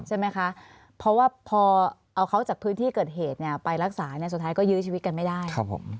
ใช่ไหมคะเพราะว่าพอเอาเขาจากพื้นที่เกิดเหตุเนี่ยไปรักษาสุดท้ายก็ยื้อชีวิตกันไม่ได้